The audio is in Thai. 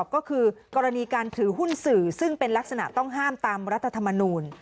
ก็คือกรณีการถือหุ้นสื่อซึ่งเป็นลักษณะต้องห้ามตามรัฐธรรมนูล